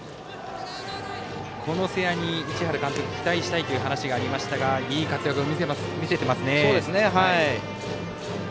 この瀬谷に市原監督期待したいという話がありましたがいい活躍を見せてますね。